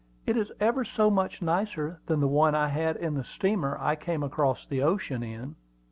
"It is ever so much nicer than the one I had in the steamer I came across the ocean in!"